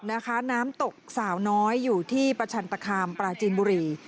น้ำตกสาวน้อยอยู่ที่ประชันตคามปลาจีนบุรี